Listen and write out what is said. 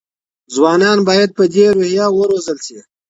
ځوانان باید په دې روحیه وروزل شي.